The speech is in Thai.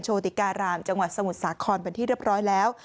โติการามจังหวัดสมุทรสาครเป็นที่เรียบร้อยแล้ว